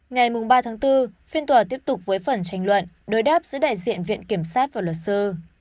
ngày ba bốn phiên tòa tiếp tục với phần tranh luận đối đáp giữa đại diện viện kiểm sát và luật sư